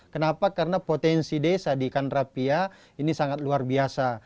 kenapa karena potensi desa di kandrapia ini sangat luar biasa